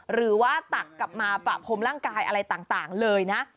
ตักกลับมาประพรมร่างกายอะไรต่างเลยนะ